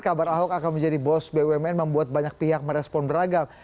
kabar ahok akan menjadi bos bumn membuat banyak pihak merespon beragam